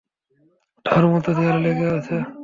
আঠার মতো দেয়ালে লেগে আছে?